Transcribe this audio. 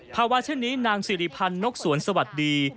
เช่นนี้นางสิริพันธ์นกสวนสวัสดี